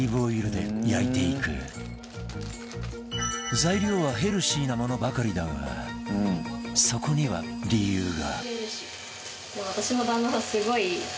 材料はヘルシーなものばかりだがそこには理由が